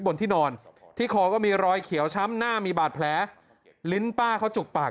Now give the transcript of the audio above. บนที่นอนที่คอก็มีรอยเขียวช้ำหน้ามีบาดแผลลิ้นป้าเขาจุกปาก